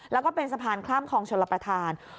แล้วก็เป็นสะพานข้ามคล่ามชนระประทาน